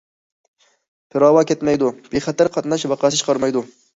پىراۋا كەتمەيدۇ، بىخەتەر، قاتناش ۋەقەسى چىقارمايدۇ.